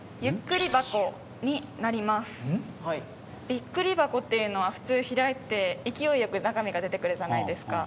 びっくり箱っていうのは普通開いて勢いよく中身が出てくるじゃないですか。